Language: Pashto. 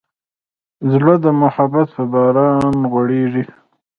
زړه د محبت په باران غوړېږي.